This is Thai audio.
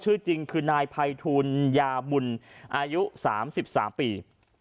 ชื่อจริงคือนายภัยทูลยาบุญอายุ๓๓ปี